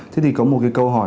thế thì có một câu hỏi